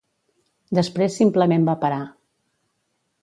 Després simplement va parar.